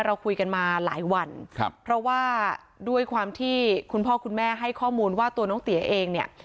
เราคุยกันมาหลายวันครับเพราะว่าด้วยความที่คุณพ่อคุณแม่ให้ข้อมูลว่าตัวน้องเตี๋ยเองเนี่ย